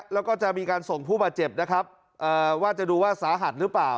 แล้วก็จะมีการส่งผู้บาดเจ็บนะครับว่าจะดูว่าสาหัสหรือเปล่า